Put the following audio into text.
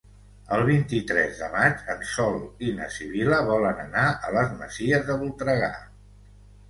El vint-i-tres de maig en Sol i na Sibil·la volen anar a les Masies de Voltregà.